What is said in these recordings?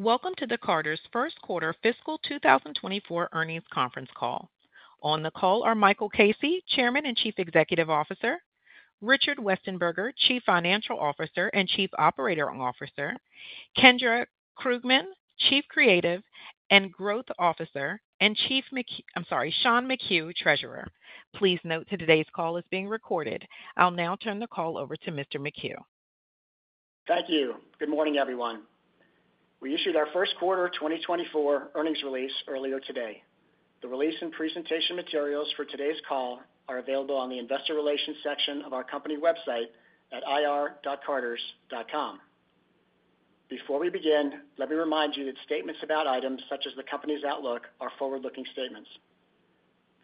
Welcome to the Carter's First Quarter Fiscal 2024 Earnings Conference Call. On the call are Michael Casey, Chairman and Chief Executive Officer, Richard Westenberger, Chief Financial Officer and Chief Operating Officer, Kendra Krugman, Chief Creative and Growth Officer, and, I'm sorry, Sean McHugh, Treasurer. Please note that today's call is being recorded. I'll now turn the call over to Mr. McHugh. Thank you. Good morning, everyone. We issued our First Quarter 2024 Earnings Release earlier today. The release and presentation materials for today's call are available on the investor relations section of our company website at ir.carters.com. Before we begin, let me remind you that statements about items such as the company's outlook are forward-looking statements.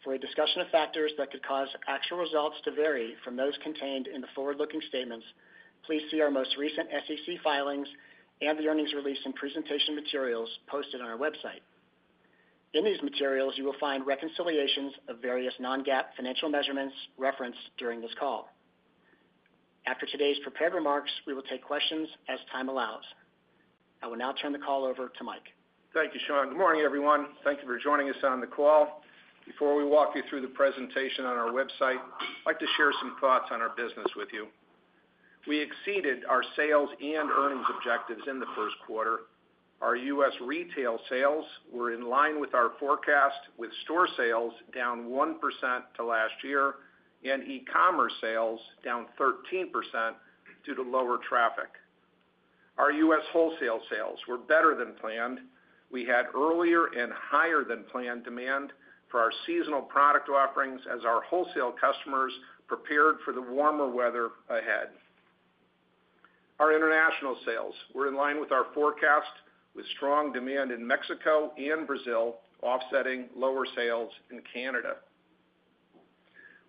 For a discussion of factors that could cause actual results to vary from those contained in the forward-looking statements, please see our most recent SEC filings and the earnings release and presentation materials posted on our website. In these materials, you will find reconciliations of various non-GAAP financial measurements referenced during this call. After today's prepared remarks, we will take questions as time allows. I will now turn the call over to Mike. Thank you, Sean. Good morning, everyone. Thank you for joining us on the call. Before we walk you through the presentation on our website, I'd like to share some thoughts on our business with you. We exceeded our sales and earnings objectives in the first quarter. Our U.S. retail sales were in line with our forecast, with store sales down 1% to last year and e-commerce sales down 13% due to lower traffic. Our U.S. wholesale sales were better than planned. We had earlier and higher than planned demand for our seasonal product offerings as our wholesale customers prepared for the warmer weather ahead. Our international sales were in line with our forecast, with strong demand in Mexico and Brazil offsetting lower sales in Canada.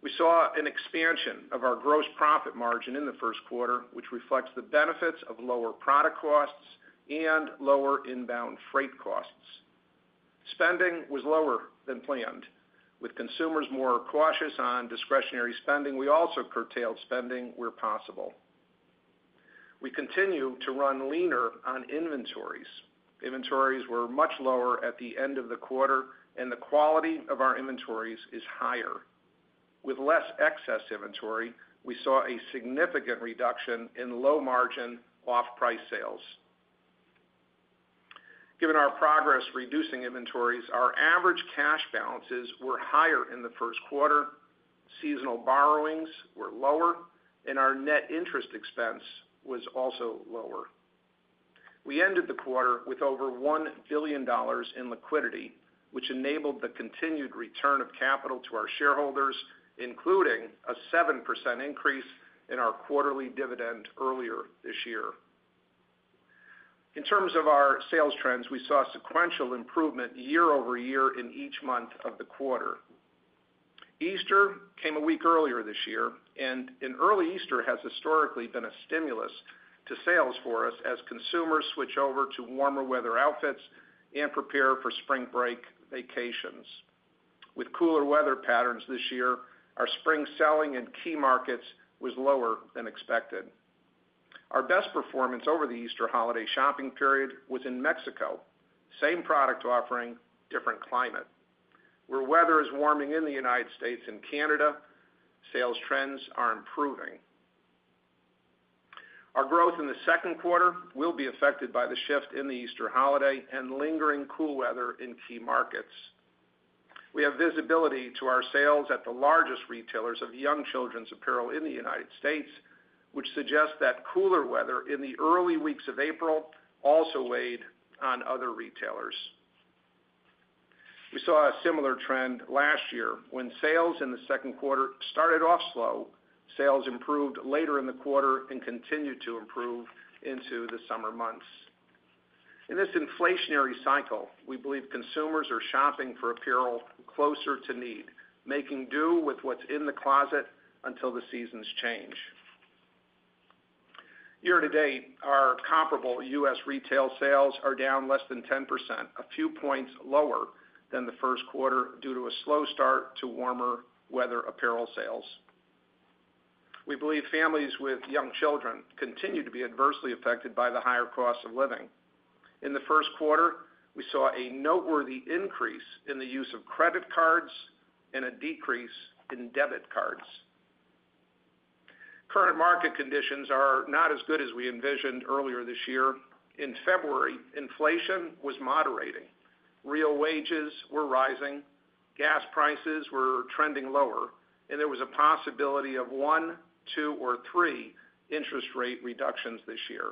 We saw an expansion of our gross profit margin in the first quarter, which reflects the benefits of lower product costs and lower inbound freight costs. Spending was lower than planned. With consumers more cautious on discretionary spending, we also curtailed spending where possible. We continue to run leaner on inventories. Inventories were much lower at the end of the quarter, and the quality of our inventories is higher. With less excess inventory, we saw a significant reduction in low-margin, off-price sales. Given our progress reducing inventories, our average cash balances were higher in the first quarter. Seasonal borrowings were lower, and our net interest expense was also lower. We ended the quarter with over $1 billion in liquidity, which enabled the continued return of capital to our shareholders, including a 7% increase in our quarterly dividend earlier this year. In terms of our sales trends, we saw sequential improvement year over year in each month of the quarter. Easter came a week earlier this year, and an early Easter has historically been a stimulus to sales for us as consumers switch over to warmer weather outfits and prepare for spring break vacations. With cooler weather patterns this year, our spring selling in key markets was lower than expected. Our best performance over the Easter holiday shopping period was in Mexico. Same product offering, different climate. Where weather is warming in the United States and Canada, sales trends are improving. Our growth in the second quarter will be affected by the shift in the Easter holiday and lingering cool weather in key markets. We have visibility to our sales at the largest retailers of young children's apparel in the United States, which suggests that cooler weather in the early weeks of April also weighed on other retailers. We saw a similar trend last year when sales in the second quarter started off slow. Sales improved later in the quarter and continued to improve into the summer months. In this inflationary cycle, we believe consumers are shopping for apparel closer to need, making do with what's in the closet until the seasons change. Year to date, our comparable U.S. retail sales are down less than 10%, a few points lower than the first quarter due to a slow start to warmer weather apparel sales. We believe families with young children continue to be adversely affected by the higher cost of living. In the first quarter, we saw a noteworthy increase in the use of credit cards and a decrease in debit cards. Current market conditions are not as good as we envisioned earlier this year. In February, inflation was moderating, real wages were rising, gas prices were trending lower, and there was a possibility of one, two, or three interest rate reductions this year.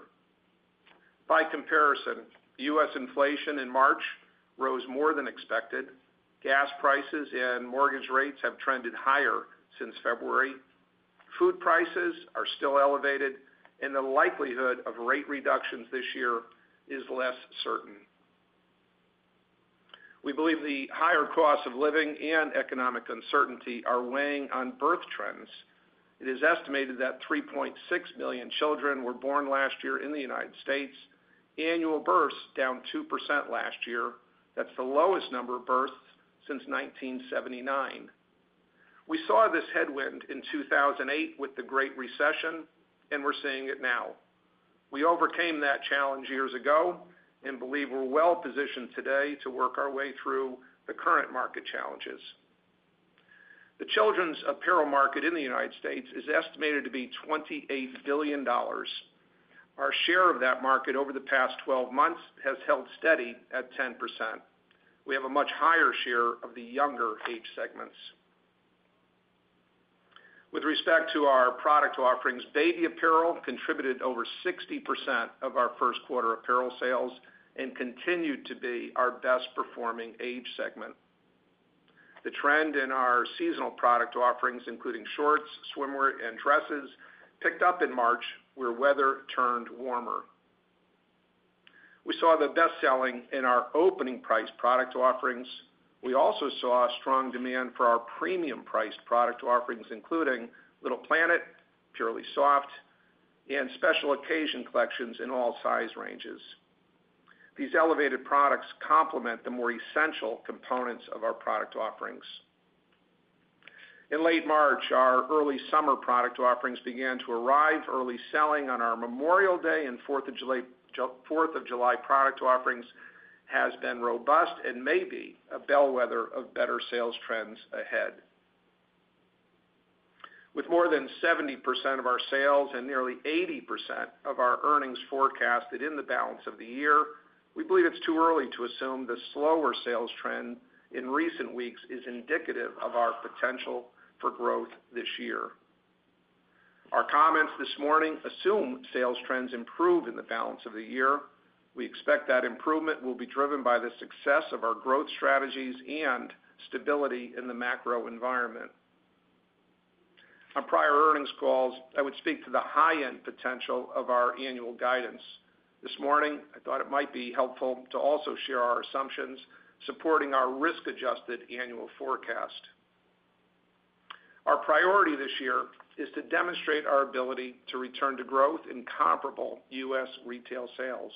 By comparison, U.S. inflation in March rose more than expected. Gas prices and mortgage rates have trended higher since February. Food prices are still elevated, and the likelihood of rate reductions this year is less certain. We believe the higher cost of living and economic uncertainty are weighing on birth trends. It is estimated that 3.6 billion children were born last year in the United States. Annual births down 2% last year. That's the lowest number of births since 1979. We saw this headwind in 2008 with the Great Recession, and we're seeing it now. We overcame that challenge years ago and believe we're well positioned today to work our way through the current market challenges. The children's apparel market in the United States is estimated to be $28 billion. Our share of that market over the past 12 months has held steady at 10%. We have a much higher share of the younger age segments. With respect to our product offerings, baby apparel contributed over 60% of our first quarter apparel sales and continued to be our best performing age segment. The trend in our seasonal product offerings, including shorts, swimwear, and dresses, picked up in March, where weather turned warmer. We saw the best selling in our opening price product offerings. We also saw strong demand for our premium priced product offerings, including Little Planet, Purely Soft, and special occasion collections in all size ranges. These elevated products complement the more essential components of our product offerings. In late March, our early summer product offerings began to arrive. Early selling on our Memorial Day and Fourth of July product offerings has been robust and may be a bellwether of better sales trends ahead. With more than 70% of our sales and nearly 80% of our earnings forecasted in the balance of the year, we believe it's too early to assume the slower sales trend in recent weeks is indicative of our potential for growth this year. Our comments this morning assume sales trends improve in the balance of the year. We expect that improvement will be driven by the success of our growth strategies and stability in the macro environment. On prior earnings calls, I would speak to the high-end potential of our annual guidance. This morning, I thought it might be helpful to also share our assumptions supporting our risk-adjusted annual forecast. Our priority this year is to demonstrate our ability to return to growth in comparable U.S. retail sales.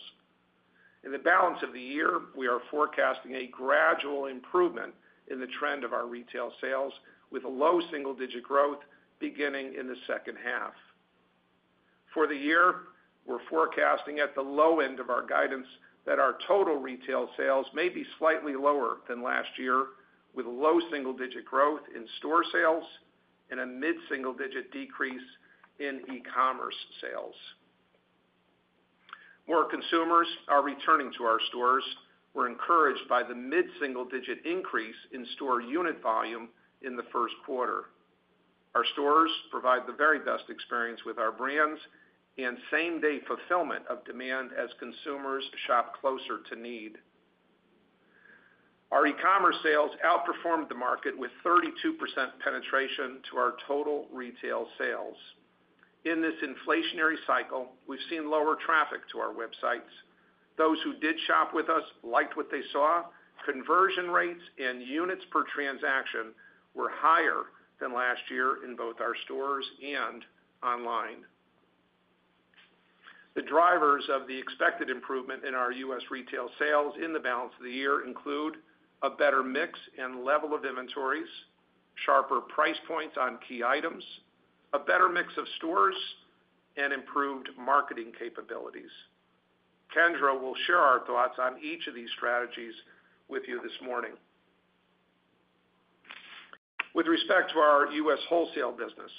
In the balance of the year, we are forecasting a gradual improvement in the trend of our retail sales, with low single-digit growth beginning in the second half. For the year, we're forecasting at the low end of our guidance that our total retail sales may be slightly lower than last year, with low single-digit growth in store sales and a mid-single-digit decrease in e-commerce sales. More consumers are returning to our stores. We're encouraged by the mid-single-digit increase in store unit volume in the first quarter. Our stores provide the very best experience with our brands and same-day fulfillment of demand as consumers shop closer to need. Our e-commerce sales outperformed the market, with 32% penetration to our total retail sales. In this inflationary cycle, we've seen lower traffic to our websites. Those who did shop with us liked what they saw. Conversion rates and units per transaction were higher than last year in both our stores and online. The drivers of the expected improvement in our U.S. retail sales in the balance of the year include: a better mix and level of inventories, sharper price points on key items, a better mix of stores, and improved marketing capabilities. Kendra will share our thoughts on each of these strategies with you this morning. With respect to our U.S. wholesale business,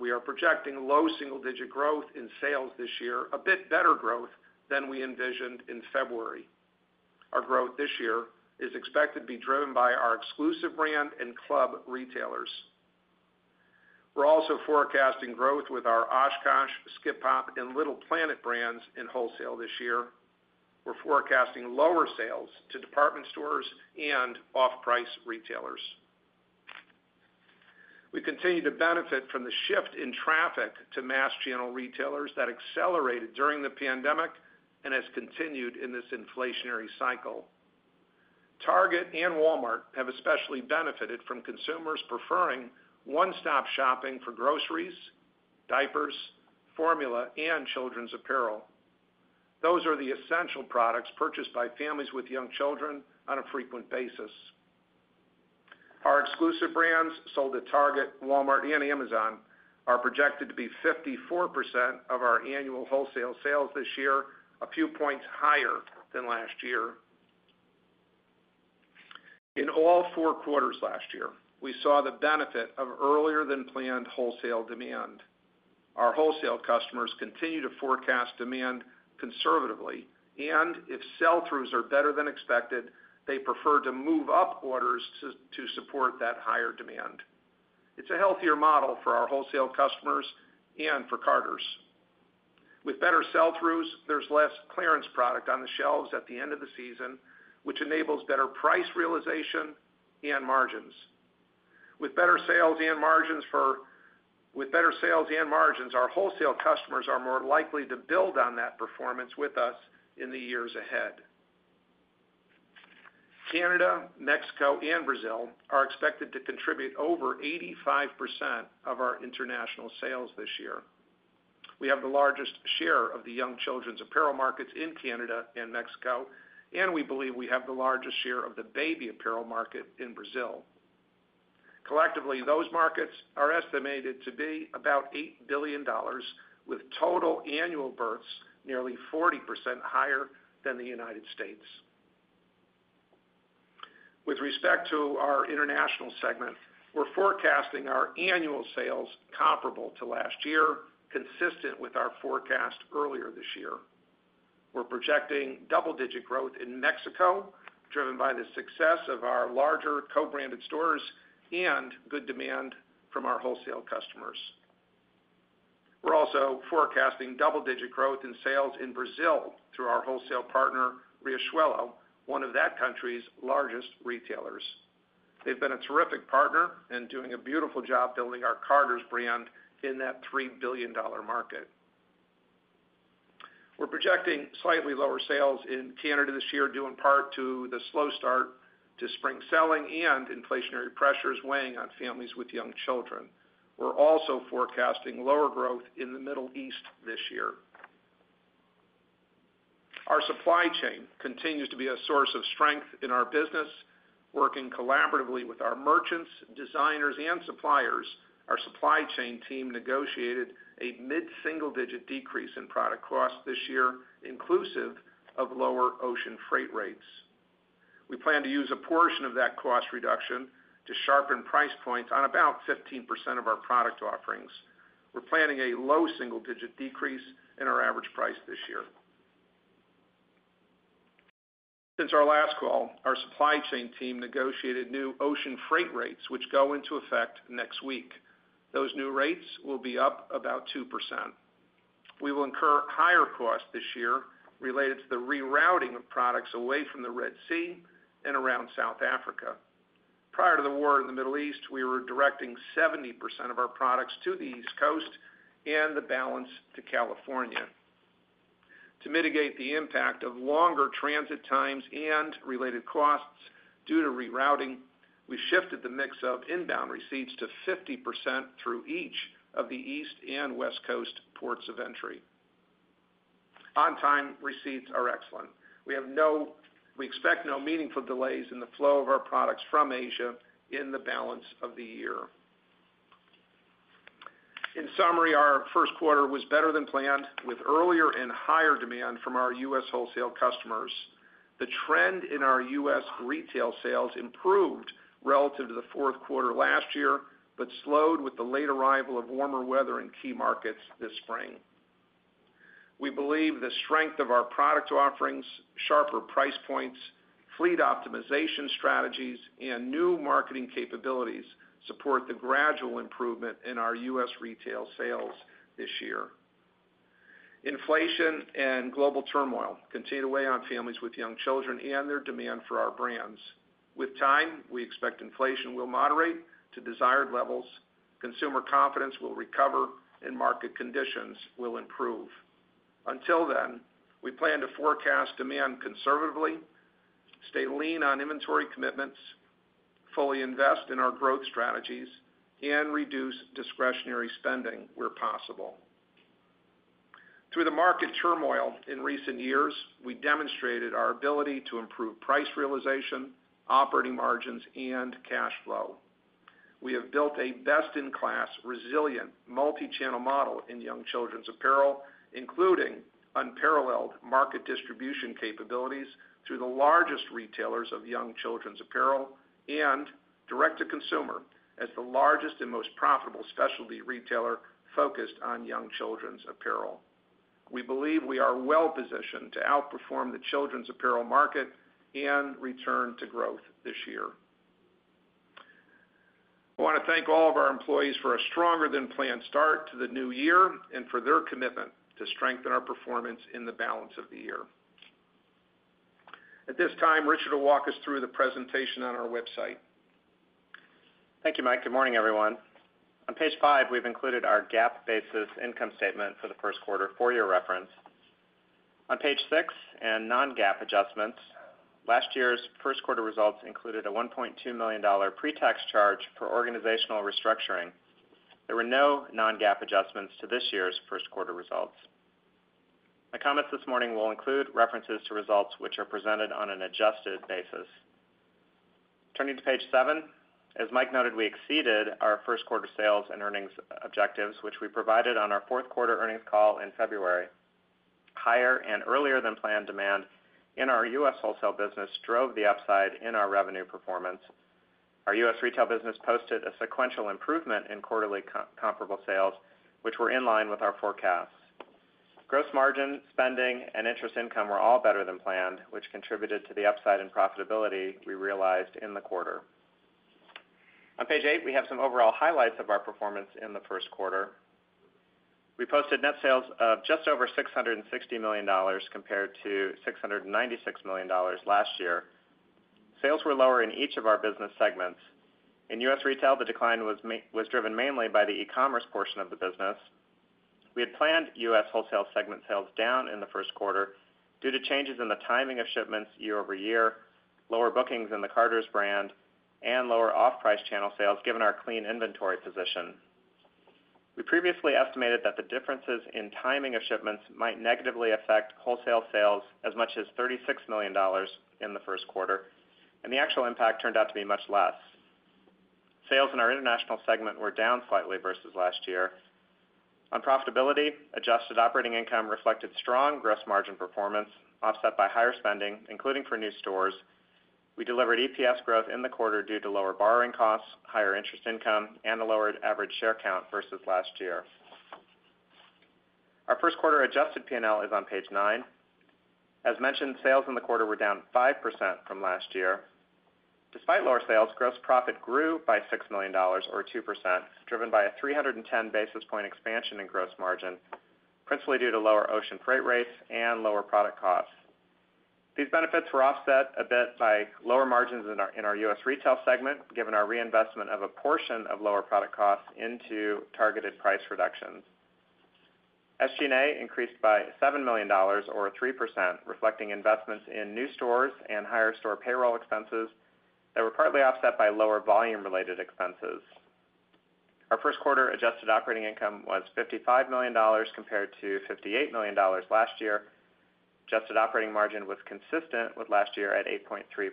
we are projecting low single-digit growth in sales this year, a bit better growth than we envisioned in February. Our growth this year is expected to be driven by our exclusive brand and club retailers. We're also forecasting growth with our OshKosh, Skip Hop, and Little Planet brands in wholesale this year. We're forecasting lower sales to department stores and off-price retailers. We continue to benefit from the shift in traffic to mass channel retailers that accelerated during the pandemic and has continued in this inflationary cycle. Target and Walmart have especially benefited from consumers preferring one-stop shopping for groceries, diapers, formula, and children's apparel. Those are the essential products purchased by families with young children on a frequent basis. Our exclusive brands, sold at Target, Walmart, and Amazon, are projected to be 54% of our annual wholesale sales this year, a few points higher than last year. In all four quarters last year, we saw the benefit of earlier-than-planned wholesale demand. Our wholesale customers continue to forecast demand conservatively, and if sell-throughs are better than expected, they prefer to move up orders to support that higher demand. It's a healthier model for our wholesale customers and for Carter's. With better sell-throughs, there's less clearance product on the shelves at the end of the season, which enables better price realization and margins. With better sales and margins, our wholesale customers are more likely to build on that performance with us in the years ahead. Canada, Mexico, and Brazil are expected to contribute over 85% of our international sales this year. We have the largest share of the young children's apparel markets in Canada and Mexico, and we believe we have the largest share of the baby apparel market in Brazil. Collectively, those markets are estimated to be about $8 billion, with total annual births nearly 40% higher than the United States. With respect to our international segment, we're forecasting our annual sales comparable to last year, consistent with our forecast earlier this year. We're projecting double-digit growth in Mexico, driven by the success of our larger co-branded stores and good demand from our wholesale customers. We're also forecasting double-digit growth in sales in Brazil through our wholesale partner, Riachuelo, one of that country's largest retailers. They've been a terrific partner and doing a beautiful job building our Carter's brand in that $3 billion market. We're projecting slightly lower sales in Canada this year, due in part to the slow start to spring selling and inflationary pressures weighing on families with young children. We're also forecasting lower growth in the Middle East this year. Our supply chain continues to be a source of strength in our business. Working collaboratively with our merchants, designers, and suppliers, our supply chain team negotiated a mid-single-digit decrease in product costs this year, inclusive of lower ocean freight rates. We plan to use a portion of that cost reduction to sharpen price points on about 15% of our product offerings. We're planning a low single-digit decrease in our average price this year. Since our last call, our supply chain team negotiated new ocean freight rates, which go into effect next week. Those new rates will be up about 2%. We will incur higher costs this year related to the rerouting of products away from the Red Sea and around South Africa. Prior to the war in the Middle East, we were directing 70% of our products to the East Coast and the balance to California. To mitigate the impact of longer transit times and related costs due to rerouting, we shifted the mix of inbound receipts to 50% through each of the East and West Coast ports of entry. On-time receipts are excellent. We expect no meaningful delays in the flow of our products from Asia in the balance of the year. In summary, our first quarter was better than planned, with earlier and higher demand from our U.S. wholesale customers. The trend in our U.S. retail sales improved relative to the fourth quarter last year, but slowed with the late arrival of warmer weather in key markets this spring. We believe the strength of our product offerings, sharper price points, fleet optimization strategies, and new marketing capabilities support the gradual improvement in our U.S. retail sales this year. Inflation and global turmoil continue to weigh on families with young children and their demand for our brands. With time, we expect inflation will moderate to desired levels, consumer confidence will recover, and market conditions will improve. Until then, we plan to forecast demand conservatively, stay lean on inventory commitments, fully invest in our growth strategies, and reduce discretionary spending where possible. Through the market turmoil in recent years, we demonstrated our ability to improve price realization, operating margins, and cash flow. We have built a best-in-class, resilient, multi-channel model in young children's apparel, including unparalleled market distribution capabilities through the largest retailers of young children's apparel and direct-to-consumer, as the largest and most profitable specialty retailer focused on young children's apparel. We believe we are well positioned to outperform the children's apparel market and return to growth this year. I want to thank all of our employees for a stronger-than-planned start to the new year and for their commitment to strengthen our performance in the balance of the year. At this time, Richard will walk us through the presentation on our website. Thank you, Mike. Good morning, everyone. On page five, we've included our GAAP-basis income statement for the first quarter for your reference. On page six and non-GAAP adjustments, last year's first quarter results included a $1.2 million pre-tax charge for organizational restructuring. There were no non-GAAP adjustments to this year's first quarter results. My comments this morning will include references to results which are presented on an adjusted basis. Turning to page seven, as Mike noted, we exceeded our first quarter sales and earnings objectives, which we provided on our fourth quarter earnings call in February. Higher and earlier-than-planned demand in our U.S. wholesale business drove the upside in our revenue performance. Our U.S. retail business posted a sequential improvement in quarterly comparable sales, which were in line with our forecasts. Gross margin, spending, and interest income were all better than planned, which contributed to the upside in profitability we realized in the quarter. On page eight, we have some overall highlights of our performance in the first quarter. We posted net sales of just over $660 million, compared to $696 million last year. Sales were lower in each of our business segments. In U.S. retail, the decline was driven mainly by the e-commerce portion of the business. We had planned U.S. wholesale segment sales down in the first quarter due to changes in the timing of shipments year-over-year, lower bookings in the Carter's brand, and lower off-price channel sales, given our clean inventory position. We previously estimated that the differences in timing of shipments might negatively affect wholesale sales as much as $36 million in the first quarter, and the actual impact turned out to be much less. Sales in our international segment were down slightly versus last year. On profitability, adjusted operating income reflected strong gross margin performance, offset by higher spending, including for new stores. We delivered EPS growth in the quarter due to lower borrowing costs, higher interest income, and a lowered average share count versus last year. Our first quarter adjusted P&L is on page 9. As mentioned, sales in the quarter were down 5% from last year. Despite lower sales, gross profit grew by $6 million or 2%, driven by a 310 basis point expansion in gross margin, principally due to lower ocean freight rates and lower product costs. These benefits were offset a bit by lower margins in our U.S. retail segment, given our reinvestment of a portion of lower product costs into targeted price reductions. SG&A increased by $7 million or 3%, reflecting investments in new stores and higher store payroll expenses that were partly offset by lower volume-related expenses. Our first quarter adjusted operating income was $55 million compared to $58 million last year. Adjusted operating margin was consistent with last year at 8.3%.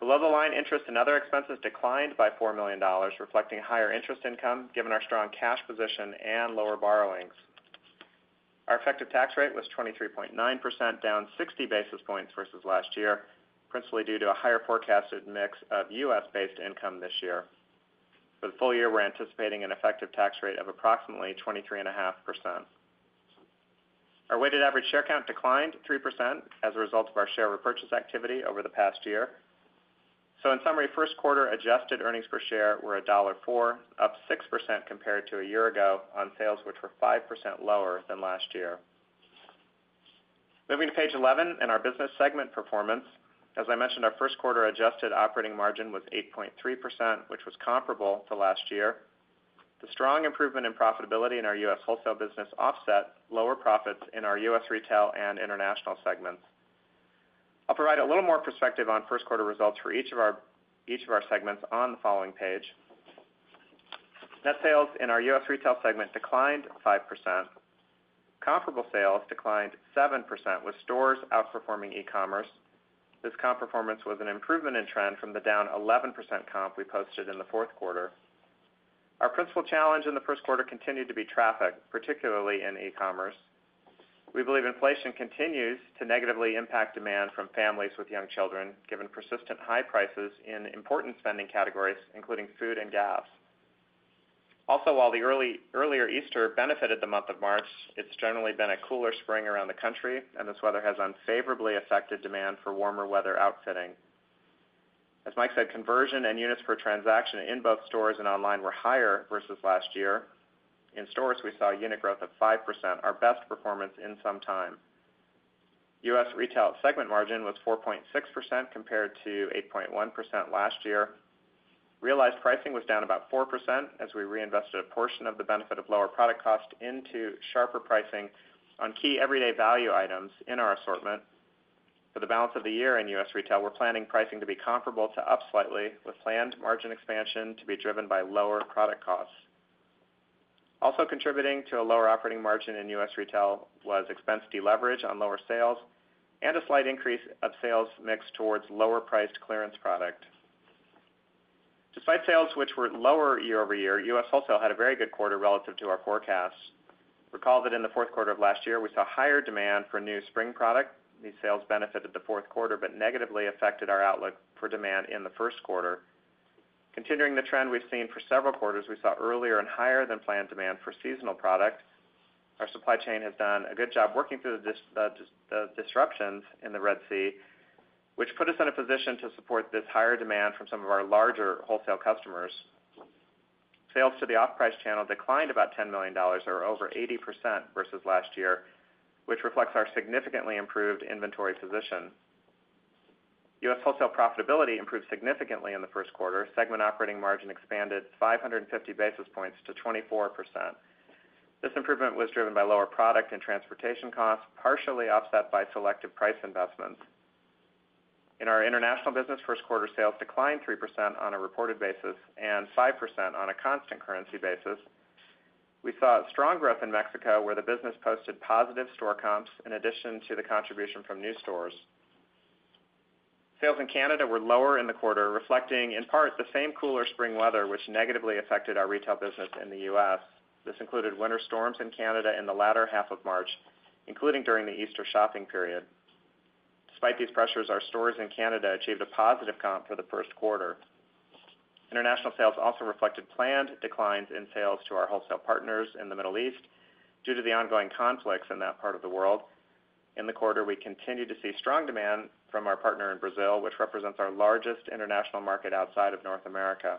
Below-the-line interest and other expenses declined by $4 million, reflecting higher interest income, given our strong cash position and lower borrowings. Our effective tax rate was 23.9%, down 60 basis points versus last year, principally due to a higher forecasted mix of U.S.-based income this year. For the full year, we're anticipating an effective tax rate of approximately 23.5%. Our weighted average share count declined 3% as a result of our share repurchase activity over the past year. So in summary, first quarter adjusted earnings per share were $1.04, up 6% compared to a year ago on sales, which were 5% lower than last year. Moving to page 11 and our business segment performance. As I mentioned, our first quarter adjusted operating margin was 8.3%, which was comparable to last year. The strong improvement in profitability in our US wholesale business offset lower profits in our U.S. retail and international segments. I'll provide a little more perspective on first quarter results for each of our, each of our segments on the following page. Net sales in our U.S. retail segment declined 5%. Comparable sales declined 7%, with stores outperforming e-commerce. This comp performance was an improvement in trend from the down 11% comp we posted in the fourth quarter. Our principal challenge in the first quarter continued to be traffic, particularly in e-commerce. We believe inflation continues to negatively impact demand from families with young children, given persistent high prices in important spending categories, including food and gas. Also, while the earlier Easter benefited the month of March, it's generally been a cooler spring around the country, and this weather has unfavorably affected demand for warmer weather outfitting. As Mike said, conversion and units per transaction in both stores and online were higher versus last year. In stores, we saw unit growth of 5%, our best performance in some time. U.S. retail segment margin was 4.6% compared to 8.1% last year. Realized pricing was down about 4% as we reinvested a portion of the benefit of lower product cost into sharper pricing on key everyday value items in our assortment. For the balance of the year in US retail, we're planning pricing to be comparable to up slightly, with planned margin expansion to be driven by lower product costs. Also contributing to a lower operating margin in U.S. retail was expense deleverage on lower sales and a slight increase of sales mix towards lower-priced clearance product. Despite sales, which were lower year-over-year, US wholesale had a very good quarter relative to our forecasts. Recall that in the fourth quarter of last year, we saw higher demand for new spring product. These sales benefited the fourth quarter, but negatively affected our outlook for demand in the first quarter. Continuing the trend we've seen for several quarters, we saw earlier and higher than planned demand for seasonal product. Our supply chain has done a good job working through the disruptions in the Red Sea, which put us in a position to support this higher demand from some of our larger wholesale customers. Sales to the off-price channel declined about $10 million, or over 80% versus last year, which reflects our significantly improved inventory position. U.S. wholesale profitability improved significantly in the first quarter. Segment operating margin expanded 550 basis points to 24%. This improvement was driven by lower product and transportation costs, partially offset by selective price investments. In our international business, first quarter sales declined 3% on a reported basis and 5% on a constant currency basis. We saw strong growth in Mexico, where the business posted positive store comps in addition to the contribution from new stores. Sales in Canada were lower in the quarter, reflecting, in part, the same cooler spring weather, which negatively affected our retail business in the U.S. This included winter storms in Canada in the latter half of March, including during the Easter shopping period. Despite these pressures, our stores in Canada achieved a positive comp for the first quarter. International sales also reflected planned declines in sales to our wholesale partners in the Middle East due to the ongoing conflicts in that part of the world. In the quarter, we continued to see strong demand from our partner in Brazil, which represents our largest international market outside of North America.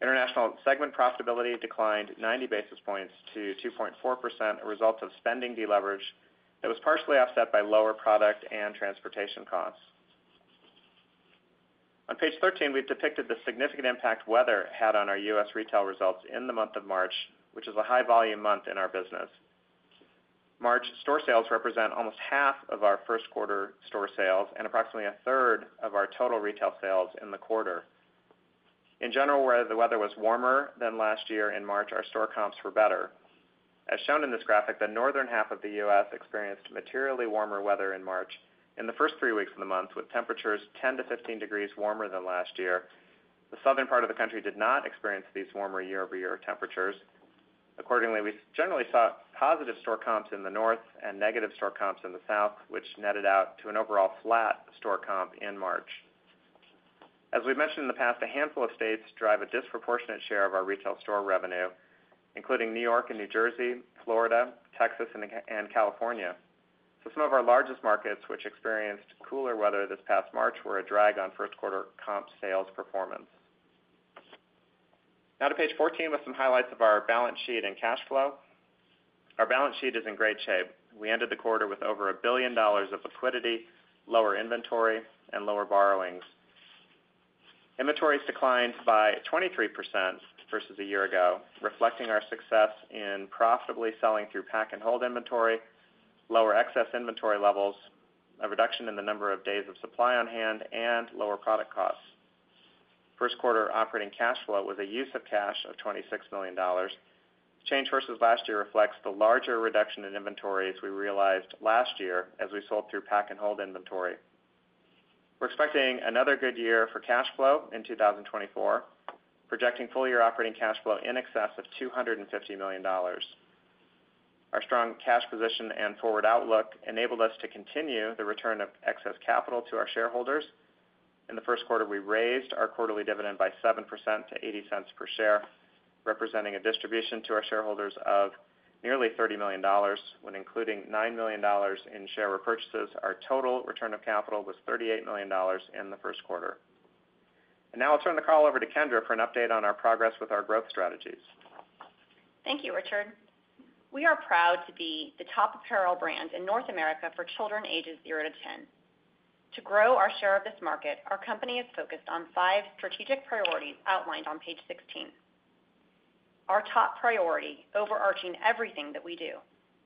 International segment profitability declined 90 basis points to 2.4%, a result of spending deleverage that was partially offset by lower product and transportation costs. On page 13, we've depicted the significant impact weather had on our U.S. retail results in the month of March, which is a high volume month in our business. March store sales represent almost half of our first quarter store sales and approximately a third of our total retail sales in the quarter. In general, where the weather was warmer than last year in March, our store comps were better. As shown in this graphic, the northern half of the U.S. experienced materially warmer weather in March. In the first three weeks of the month, with temperatures 10-15 degrees warmer than last year, the southern part of the country did not experience these warmer year-over-year temperatures. Accordingly, we generally saw positive store comps in the north and negative store comps in the south, which netted out to an overall flat store comp in March. As we've mentioned in the past, a handful of states drive a disproportionate share of our retail store revenue, including New York and New Jersey, Florida, Texas, and California. So some of our largest markets, which experienced cooler weather this past March, were a drag on first quarter comp sales performance. Now to page 14, with some highlights of our balance sheet and cash flow. Our balance sheet is in great shape. We ended the quarter with over $1 billion of liquidity, lower inventory, and lower borrowings. Inventories declined by 23% versus a year ago, reflecting our success in profitably selling through pack and hold inventory, lower excess inventory levels, a reduction in the number of days of supply on hand, and lower product costs. First quarter operating cash flow was a use of cash of $26 million. Change versus last year reflects the larger reduction in inventories we realized last year as we sold through pack and hold inventory. We're expecting another good year for cash flow in 2024, projecting full year operating cash flow in excess of $250 million. Our strong cash position and forward outlook enabled us to continue the return of excess capital to our shareholders. In the first quarter, we raised our quarterly dividend by 7% to $0.80 per share, representing a distribution to our shareholders of nearly $30 million. When including $9 million in share repurchases, our total return of capital was $38 million in the first quarter. Now I'll turn the call over to Kendra for an update on our progress with our growth strategies. Thank you, Richard. We are proud to be the top apparel brand in North America for children ages 0-10. To grow our share of this market, our company is focused on five strategic priorities outlined on page 16. Our top priority, overarching everything that we do,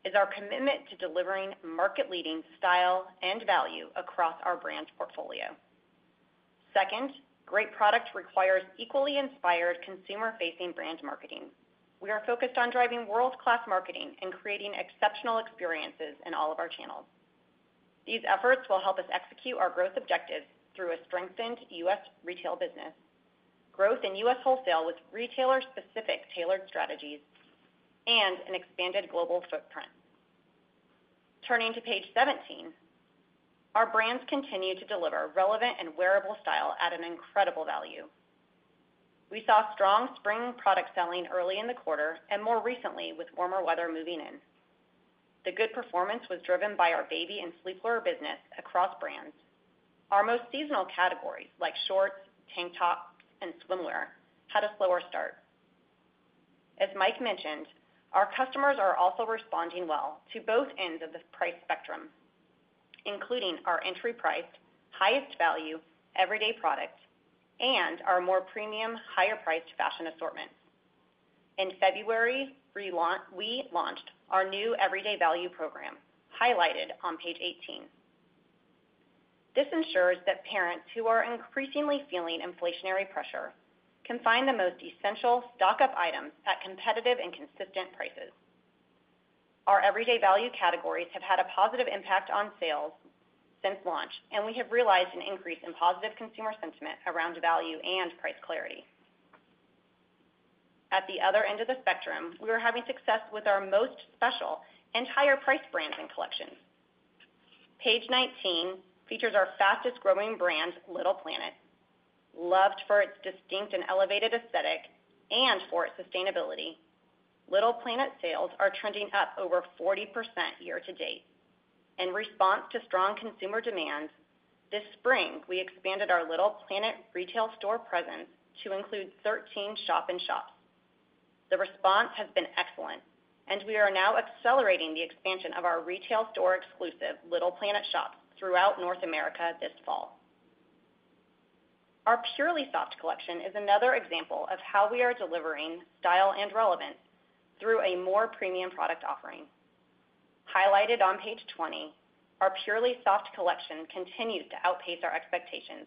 is our commitment to delivering market-leading style and value across our brand portfolio. Second, great product requires equally inspired consumer-facing brand marketing. We are focused on driving world-class marketing and creating exceptional experiences in all of our channels. These efforts will help us execute our growth objectives through a strengthened U.S. retail business, growth in U.S. wholesale with retailer-specific tailored strategies, and an expanded global footprint. Turning to page 17, our brands continue to deliver relevant and wearable style at an incredible value. We saw strong spring product selling early in the quarter and more recently with warmer weather moving in. The good performance was driven by our baby and sleepwear business across brands. Our most seasonal categories, like shorts, tank tops, and swimwear, had a slower start. As Mike mentioned, our customers are also responding well to both ends of the price spectrum, including our entry priced, highest value, everyday products and our more premium, higher priced fashion assortments. In February, we launched our new everyday value program, highlighted on page 18. This ensures that parents who are increasingly feeling inflationary pressure can find the most essential stock-up items at competitive and consistent prices. Our everyday value categories have had a positive impact on sales since launch, and we have realized an increase in positive consumer sentiment around value and price clarity. At the other end of the spectrum, we are having success with our most special and higher price brands and collections. Page 19 features our fastest growing brand, Little Planet. Loved for its distinct and elevated aesthetic and for its sustainability, Little Planet sales are trending up over 40% year to date. In response to strong consumer demand, this spring, we expanded our Little Planet retail store presence to include 13 shop-in-shops. The response has been excellent, and we are now accelerating the expansion of our retail store exclusive Little Planet shops throughout North America this fall. Our Purely Soft collection is another example of how we are delivering style and relevance through a more premium product offering. Highlighted on page 20, our Purely Soft collection continues to outpace our expectations.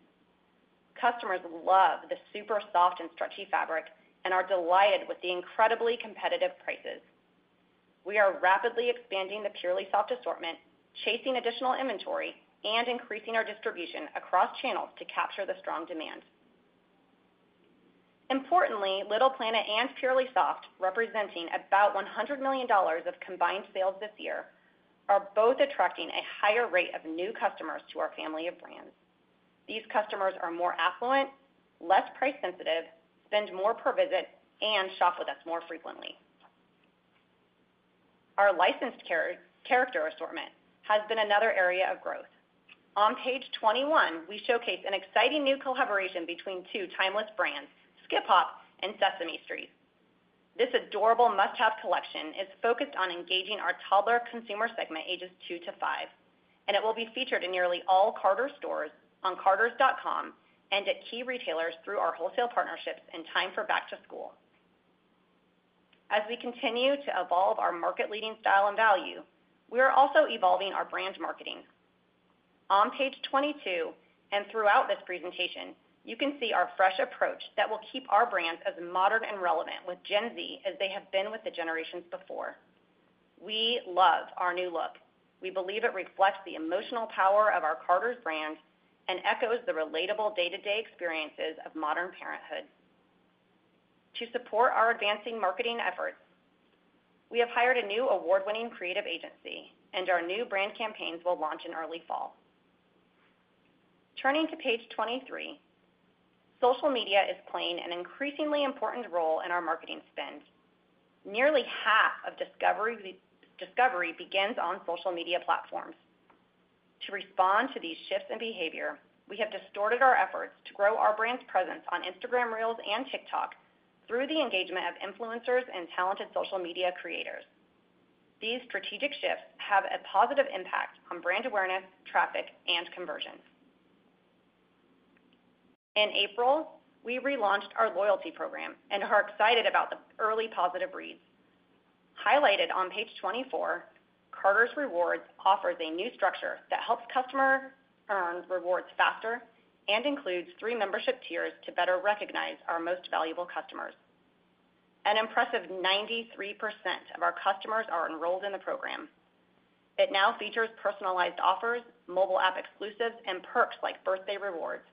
Customers love the super soft and stretchy fabric and are delighted with the incredibly competitive prices. We are rapidly expanding the Purely Soft assortment, chasing additional inventory and increasing our distribution across channels to capture the strong demand. Importantly, Little Planet and Purely Soft, representing about $100 million of combined sales this year, are both attracting a higher rate of new customers to our family of brands. These customers are more affluent, less price sensitive, spend more per visit, and shop with us more frequently. Our licensed character assortment has been another area of growth. On page 21, we showcase an exciting new collaboration between two timeless brands, Skip Hop and Sesame Street. This adorable must-have collection is focused on engaging our toddler consumer segment, ages 2-5, and it will be featured in nearly all Carter's stores, on carters.com, and at key retailers through our wholesale partnerships in time for back to school. As we continue to evolve our market-leading style and value, we are also evolving our brand marketing. On page 22, and throughout this presentation, you can see our fresh approach that will keep our brands as modern and relevant with Gen Z as they have been with the generations before. We love our new look. We believe it reflects the emotional power of our Carter's brand and echoes the relatable day-to-day experiences of modern parenthood. To support our advancing marketing efforts, we have hired a new award-winning creative agency, and our new brand campaigns will launch in early fall. Turning to page 23, social media is playing an increasingly important role in our marketing spend. Nearly half of discovery begins on social media platforms. To respond to these shifts in behavior, we have devoted our efforts to grow our brand's presence on Instagram Reels and TikTok through the engagement of influencers and talented social media creators. These strategic shifts have a positive impact on brand awareness, traffic, and conversion. In April, we relaunched our loyalty program and are excited about the early positive reads. Highlighted on page 24, Carter's Rewards offers a new structure that helps customers earn rewards faster and includes three membership tiers to better recognize our most valuable customers. An impressive 93% of our customers are enrolled in the program. It now features personalized offers, mobile app exclusives, and perks like birthday rewards,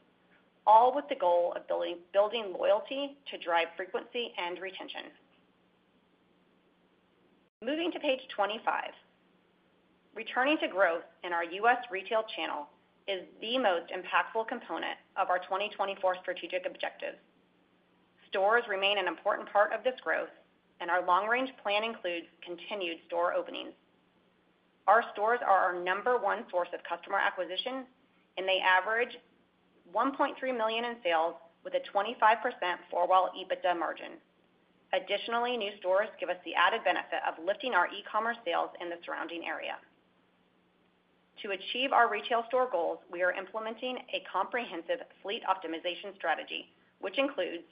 all with the goal of building loyalty to drive frequency and retention. Moving to page 25, returning to growth in our U.S. retail channel is the most impactful component of our 2024 strategic objectives. Stores remain an important part of this growth, and our long-range plan includes continued store openings. Our stores are our number one source of customer acquisition, and they average $1.3 million in sales with a 25% four-wall EBITDA margin. Additionally, new stores give us the added benefit of lifting our e-commerce sales in the surrounding area. To achieve our retail store goals, we are implementing a comprehensive fleet optimization strategy, which includes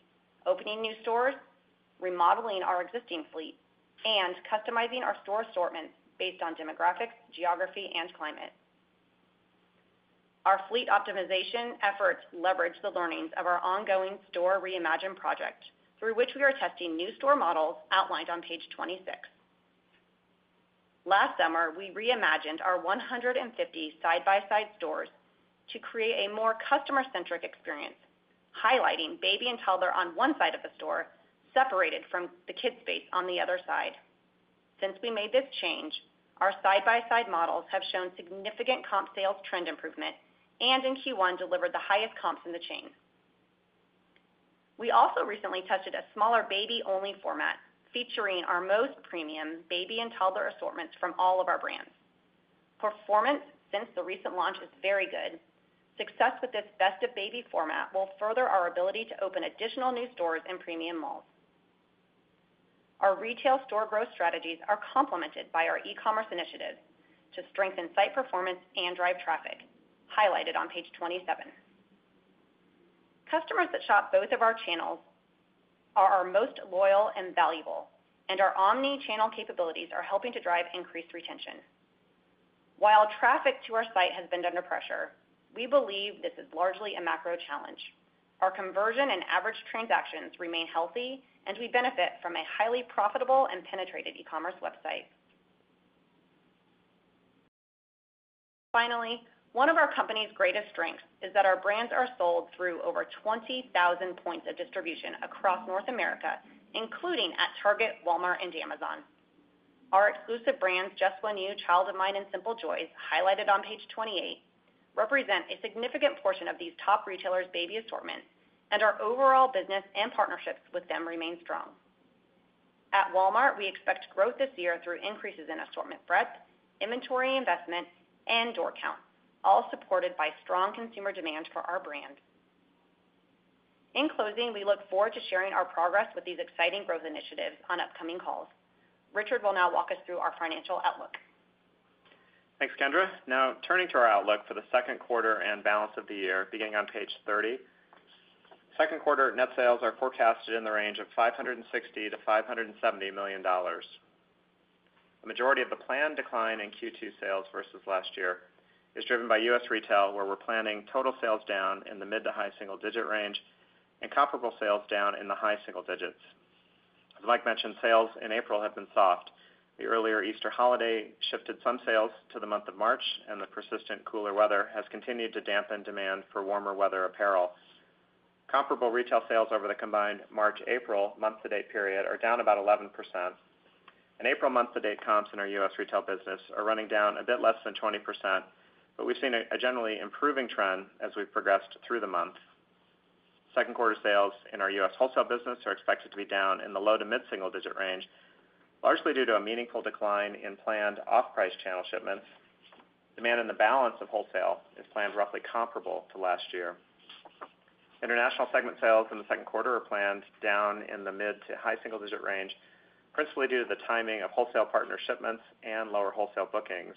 opening new stores, remodeling our existing fleet, and customizing our store assortment based on demographics, geography, and climate. Our fleet optimization efforts leverage the learnings of our ongoing Store Reimagined project, through which we are testing new store models outlined on page 26. Last summer, we reimagined our 150 side-by-side stores to create a more customer-centric experience, highlighting baby and toddler on one side of the store, separated from the kids space on the other side. Since we made this change, our side-by-side models have shown significant comp sales trend improvement and, in Q1, delivered the highest comps in the chain. We also recently tested a smaller baby-only format, featuring our most premium baby and toddler assortments from all of our brands. Performance since the recent launch is very good. Success with this best of baby format will further our ability to open additional new stores in premium malls. Our retail store growth strategies are complemented by our e-commerce initiatives to strengthen site performance and drive traffic, highlighted on page 27. Customers that shop both of our channels are our most loyal and valuable, and our omni-channel capabilities are helping to drive increased retention. While traffic to our site has been under pressure, we believe this is largely a macro challenge. Our conversion and average transactions remain healthy, and we benefit from a highly profitable and penetrated e-commerce website. Finally, one of our company's greatest strengths is that our brands are sold through over 20,000 points of distribution across North America, including at Target, Walmart, and Amazon. Our exclusive brands, Just One You, Child of Mine, and Simple Joys, highlighted on page 28, represent a significant portion of these top retailers' baby assortments, and our overall business and partnerships with them remain strong. At Walmart, we expect growth this year through increases in assortment breadth, inventory investment, and door count, all supported by strong consumer demand for our brand. In closing, we look forward to sharing our progress with these exciting growth initiatives on upcoming calls. Richard will now walk us through our financial outlook. Thanks, Kendra. Now, turning to our outlook for the second quarter and balance of the year, beginning on page 30. Second quarter net sales are forecasted in the range of $560 million-$570 million. The majority of the planned decline in Q2 sales versus last year is driven by U.S. retail, where we're planning total sales down in the mid- to high-single-digit range and comparable sales down in the high single digits. As Mike mentioned, sales in April have been soft. The earlier Easter holiday shifted some sales to the month of March, and the persistent cooler weather has continued to dampen demand for warmer weather apparel. Comparable retail sales over the combined March, April month-to-date period are down about 11%, and April month-to-date comps in our U.S. retail business are running down a bit less than 20%, but we've seen a generally improving trend as we've progressed through the month. Second quarter sales in our U.S. wholesale business are expected to be down in the low to mid-single digit range, largely due to a meaningful decline in planned off-price channel shipments. Demand in the balance of wholesale is planned roughly comparable to last year.... International segment sales in the second quarter are planned down in the mid to high single digit range, principally due to the timing of wholesale partner shipments and lower wholesale bookings.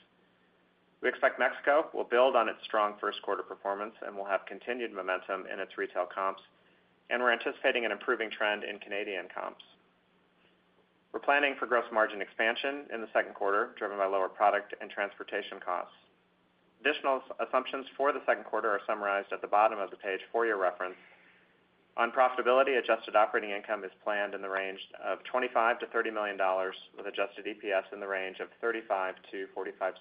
We expect Mexico will build on its strong first quarter performance and will have continued momentum in its retail comps, and we're anticipating an improving trend in Canadian comps. We're planning for gross margin expansion in the second quarter, driven by lower product and transportation costs. Additional assumptions for the second quarter are summarized at the bottom of the page for your reference. On profitability, adjusted operating income is planned in the range of $25 million-$30 million, with adjusted EPS in the range of $0.35-$0.45.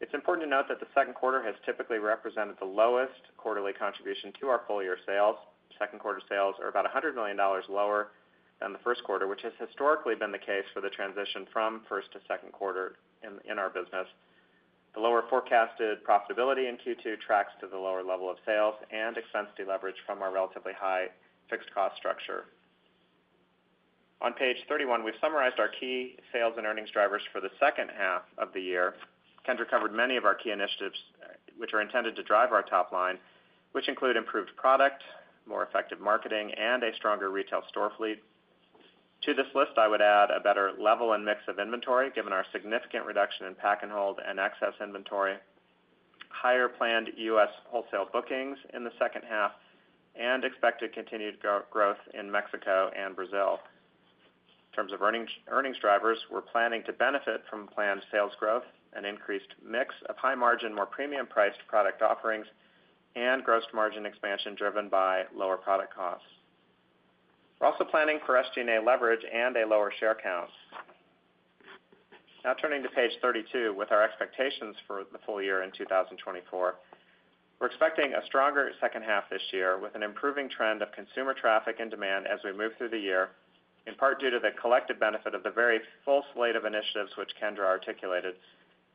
It's important to note that the second quarter has typically represented the lowest quarterly contribution to our full year sales. Second quarter sales are about $100 million lower than the first quarter, which has historically been the case for the transition from first to second quarter in our business. The lower forecasted profitability in Q2 tracks to the lower level of sales and expense deleverage from our relatively high fixed cost structure. On page 31, we've summarized our key sales and earnings drivers for the second half of the year. Kendra covered many of our key initiatives, which are intended to drive our top line, which include improved product, more effective marketing, and a stronger retail store fleet. To this list, I would add a better level and mix of inventory, given our significant reduction in pack and hold and excess inventory, higher planned U.S. wholesale bookings in the second half, and expected continued growth in Mexico and Brazil. In terms of earnings, earnings drivers, we're planning to benefit from planned sales growth and increased mix of high margin, more premium-priced product offerings and gross margin expansion, driven by lower product costs. We're also planning for SG&A leverage and a lower share count. Now turning to page 32, with our expectations for the full year in 2024. We're expecting a stronger second half this year with an improving trend of consumer traffic and demand as we move through the year, in part due to the collective benefit of the very full slate of initiatives which Kendra articulated,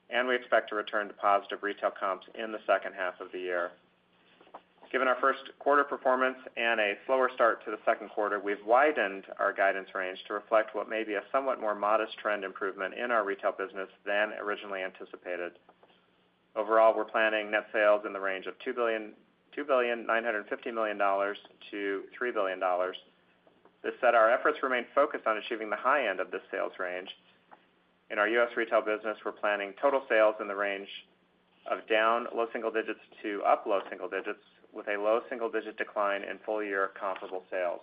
and we expect to return to positive retail comps in the second half of the year. Given our first quarter performance and a slower start to the second quarter, we've widened our guidance range to reflect what may be a somewhat more modest trend improvement in our retail business than originally anticipated. Overall, we're planning net sales in the range of $2.95 billion-$3 billion. That said, our efforts remain focused on achieving the high end of this sales range. In our US retail business, we're planning total sales in the range of down low-single digits to up low-single digits, with a low-single-digit decline in full-year comparable sales.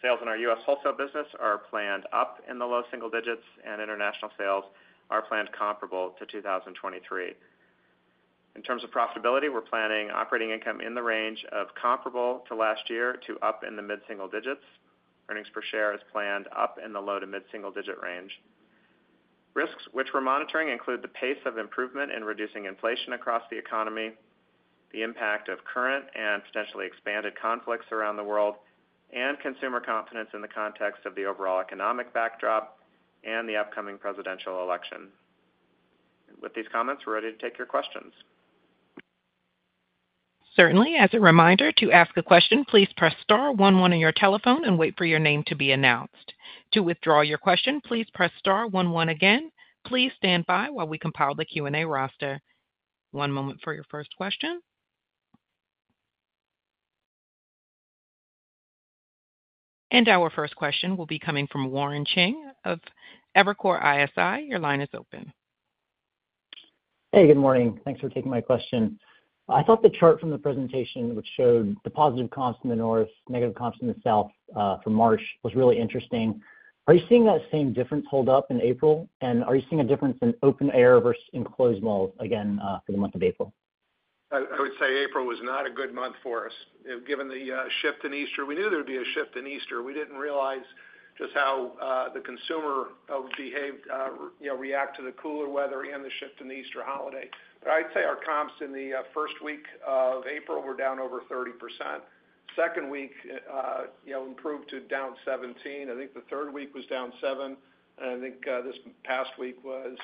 Sales in our U.S. wholesale business are planned up in the low-single digits, and international sales are planned comparable to 2023. In terms of profitability, we're planning operating income in the range of comparable to last year to up in the mid-single digits. Earnings per share is planned up in the low- to mid-single-digit range. Risks which we're monitoring include the pace of improvement in reducing inflation across the economy, the impact of current and potentially expanded conflicts around the world, and consumer confidence in the context of the overall economic backdrop and the upcoming presidential election. With these comments, we're ready to take your questions. Certainly. As a reminder, to ask a question, please press star one one on your telephone and wait for your name to be announced. To withdraw your question, please press star one one again. Please stand by while we compile the Q&A roster. One moment for your first question. Our first question will be coming from Warren Cheng of Evercore ISI. Your line is open. Hey, good morning. Thanks for taking my question. I thought the chart from the presentation, which showed the positive comps in the north, negative comps in the south, for March, was really interesting. Are you seeing that same difference hold up in April? And are you seeing a difference in open air versus enclosed malls again, for the month of April? I would say April was not a good month for us, given the shift in Easter. We knew there'd be a shift in Easter. We didn't realize just how the consumer behaved, you know, react to the cooler weather and the shift in the Easter holiday. But I'd say our comps in the first week of April were down over 30%. Second week, you know, improved to down 17%. I think the third week was down 7%, and I think this past week was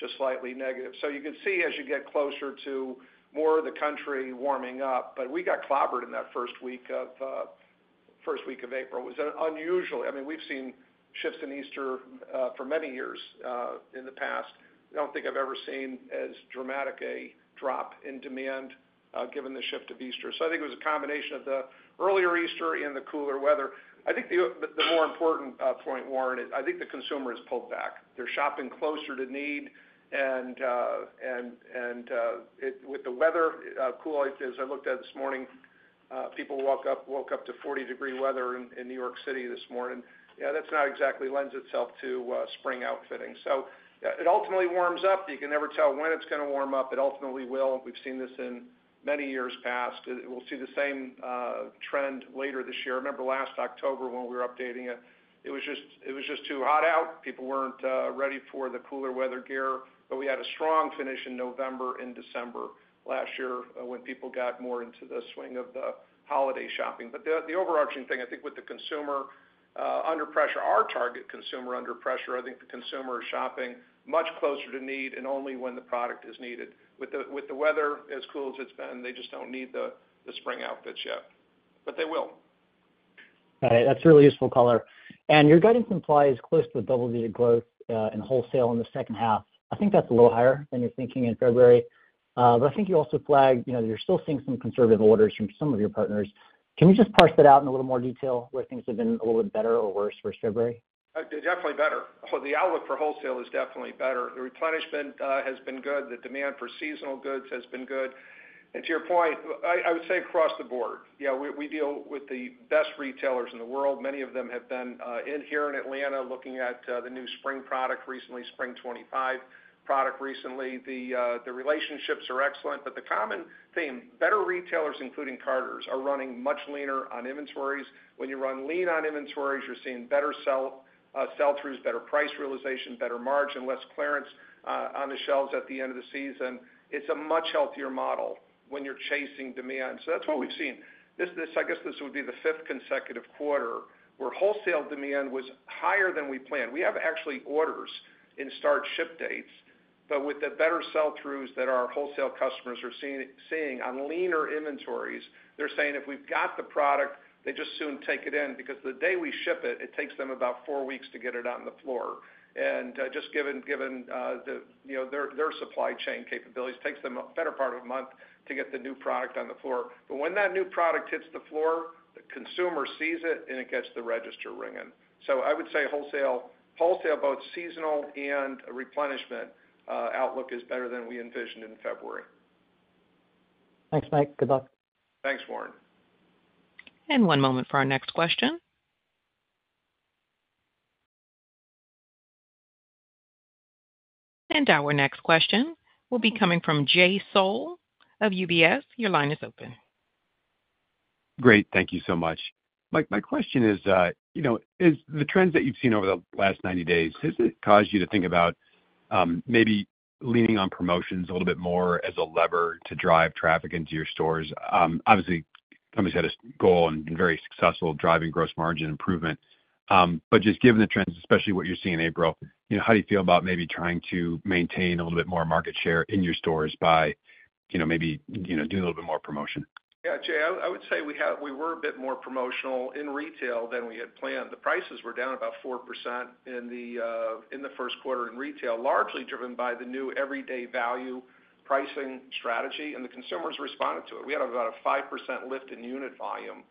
just slightly negative. So you can see as you get closer to more of the country warming up, but we got clobbered in that first week of April. It was unusual. I mean, we've seen shifts in Easter for many years in the past. I don't think I've ever seen as dramatic a drop in demand, given the shift of Easter. So I think it was a combination of the earlier Easter and the cooler weather. I think the more important point, Warren, I think the consumer has pulled back. They're shopping closer to need, and with the weather cool, as I looked at this morning, people woke up to 40-degree weather in New York City this morning. Yeah, that's not exactly lends itself to spring outfitting. So yeah, it ultimately warms up. You can never tell when it's gonna warm up, but ultimately will, and we've seen this in many years past. We'll see the same trend later this year. I remember last October when we were updating it, it was just too hot out. People weren't ready for the cooler weather gear, but we had a strong finish in November and December last year, when people got more into the swing of the holiday shopping. But the overarching thing, I think, with the consumer under pressure, our target consumer under pressure, I think the consumer is shopping much closer to need and only when the product is needed. With the weather as cool as it's been, they just don't need the spring outfits yet, but they will. Got it. That's a really useful color. And your guidance implies close to a double-digit growth in wholesale in the second half. I think that's a little higher than you're thinking in February. But I think you also flagged, you know, that you're still seeing some conservative orders from some of your partners. Can you just parse that out in a little more detail, where things have been a little bit better or worse for February? Definitely better. So the outlook for wholesale is definitely better. The replenishment has been good. The demand for seasonal goods has been good. And to your point, I would say across the board. Yeah, we deal with the best retailers in the world. Many of them have been in here in Atlanta, looking at the new spring product recently. Spring 2025 product recently. The relationships are excellent, but the common theme, better retailers, including Carter's, are running much leaner on inventories. When you run lean on inventories, you're seeing better sell-throughs, better price realization, better margin, less clearance on the shelves at the end of the season. It's a much healthier model when you're chasing demand. So that's what we've seen. This, I guess this would be the fifth consecutive quarter where wholesale demand was higher than we planned. We actually have orders in start ship dates, but with the better sell-throughs that our wholesale customers are seeing on leaner inventories, they're saying, if we've got the product, they just soon take it in, because the day we ship it, it takes them about four weeks to get it out on the floor. And just given the, you know, their supply chain capabilities, takes them a better part of a month to get the new product on the floor. But when that new product hits the floor, the consumer sees it, and it gets the register ringing. So I would say wholesale both seasonal and replenishment outlook is better than we envisioned in February. Thanks, Mike. Good luck. Thanks, Warren. One moment for our next question. Our next question will be coming from Jay Sole of UBS. Your line is open. Great, thank you so much. Mike, my question is, you know, is the trends that you've seen over the last 90 days, has it caused you to think about, maybe leaning on promotions a little bit more as a lever to drive traffic into your stores? Obviously, company's had a goal and very successful driving gross margin improvement. But just given the trends, especially what you see in April, you know, how do you feel about maybe trying to maintain a little bit more market share in your stores by, you know, maybe, you know, doing a little bit more promotion? Yeah, Jay, I would say we were a bit more promotional in retail than we had planned. The prices were down about 4% in the first quarter in retail, largely driven by the new everyday value pricing strategy, and the consumers responded to it. We had about a 5% lift in unit volume